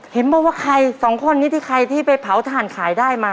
มาว่าใครสองคนนี้ที่ใครที่ไปเผาถ่านขายได้มา